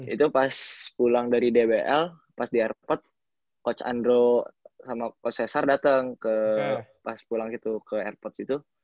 itu pas pulang dari dbl pas di airport coach andro sama coach cesar dateng ke pas pulang gitu ke airport gitu